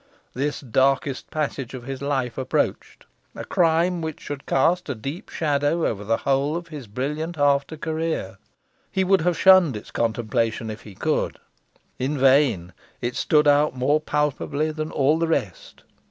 The darkest passage of his life approached: a crime which should cast a deep shadow over the whole of his brilliant after career. He would have shunned its contemplation, if he could. In vain. It stood out more palpably than all the rest.